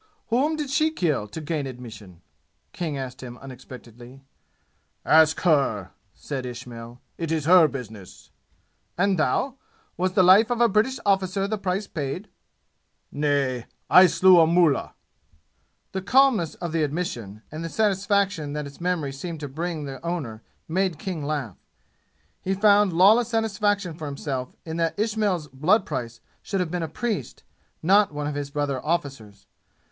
"Whom did she kill to gain admission?" King asked him unexpectedly. "Ask her!" said Ismail. "It is her business." "And thou? Was the life of a British officer the price paid?" "Nay. I slew a mullah." The calmness of the admission, and the satisfaction that its memory seemed to bring the owner made King laugh. He found lawless satisfaction for himself in that Ismail's blood price should have been a priest, not one of his brother officers.